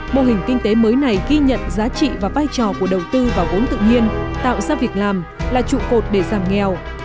mô hình kinh tế mới này ghi nhận giá trị và vai trò của đầu tư vào vốn tự nhiên tạo ra việc làm là trụ cột để giảm nghèo